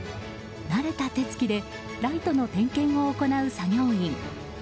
慣れた手つきでライトの点検を行う作業員。